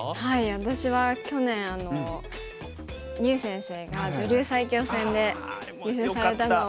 私は去年牛先生が女流最強戦で優勝されたのを。